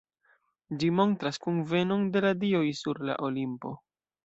Ĝi montras kunvenon de la dioj sur la Olimpo.